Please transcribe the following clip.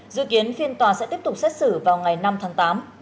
dự kiến phiên tòa sẽ tiếp tục xét xử vào ngày năm tháng tám